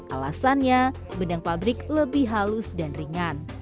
alasannya benang pabrik lebih halus dan ringan